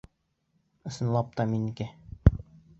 Ысынлап та минеке.